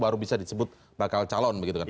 baru bisa disebut bakal calon begitu kan